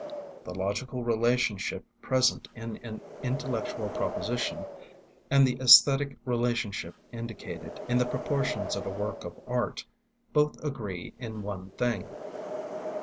The logical relationship present in an intellectual proposition, and the æsthetic relationship indicated in the proportions of a work of art, both agree in one thing.